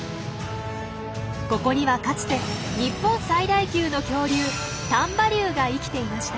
ここにはかつて日本最大級の恐竜丹波竜が生きていました。